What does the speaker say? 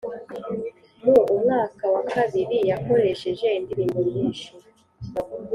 Mu umwaka wakabiri yakoresheje indirimbo nyinshi